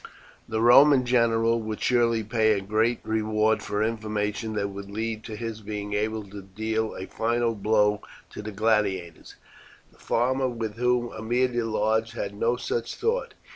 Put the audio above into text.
The Roman general would surely pay a great reward for information that would lead to his being able to deal a final blow to the gladiators. The farmer with whom Aemilia lodged had no such thought.